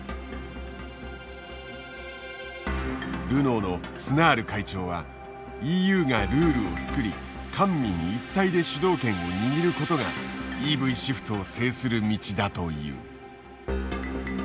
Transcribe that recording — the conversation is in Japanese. ルノーのスナール会長はＥＵがルールを作り官民一体で主導権を握ることがＥＶシフトを制する道だと言う。